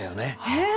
えっ？